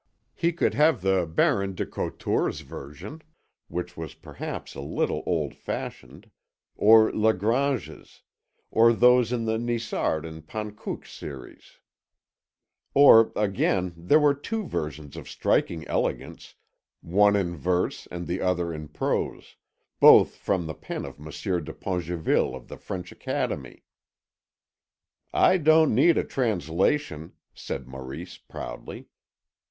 He could have the Baron des Coutures' version which was perhaps a little old fashioned or La Grange's, or those in the Nisard and Panckouke series; or, again, there were two versions of striking elegance, one in verse and the other in prose, both from the pen of Monsieur de Pongerville of the French Academy. "I don't need a translation," said Maurice proudly.